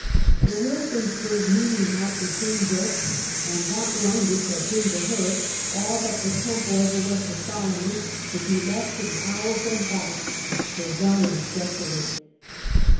The Wilkinsburg meeting house was being built, and that one which had been to her all that the temple ever was to Solomon, would be left to the owls and bats — her Zion desolate.